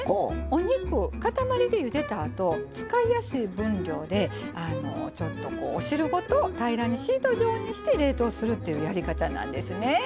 お肉塊でゆでたあと使いやすい分量でお汁ごと平らにシート状にして冷凍するっていうやり方なんですね。